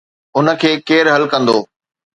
ان کي ڪير حل ڪندو؟